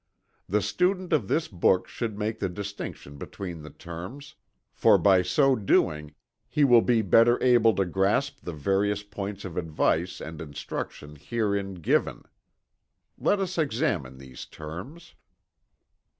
The student of this book should make the distinction between the terms, for by so doing he will be better able to grasp the various points of advice and instruction herein given. Let us examine these terms.